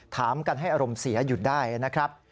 ถามกันให้อารมณ์เสียหยุดได้นะครับ